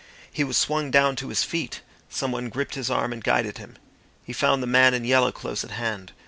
He was swung down to his feet; someone gripped his arm and guided him. He found the man in yellow close at hand.